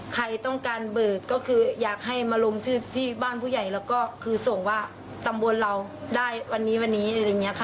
ใครต้องการเบิกก็คืออยากให้มาลงชื่อที่บ้านผู้ใหญ่แล้วก็คือส่งว่าตำบลเราได้วันนี้วันนี้อะไรอย่างนี้ค่ะ